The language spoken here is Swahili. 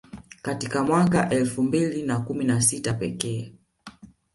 Katika mwaka elfu mbili na kumi na sita pekee